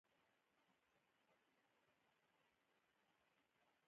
د اوسني حکومت جوړېدو ته لاره هواره شوه.